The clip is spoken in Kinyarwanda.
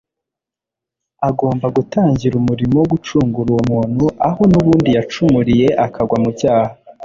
agomba gutangira umurimo wo gucungura uwo muntu aho n'ubundi yacumuriye akagwa mu cyaha